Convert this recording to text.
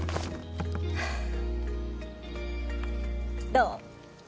どう？